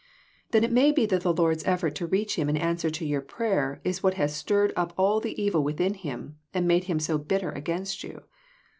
" Then it may be that the Lord's effort to reach him in answer to your prayer is what has stirred up all the evil within him, and made him so bitter against you.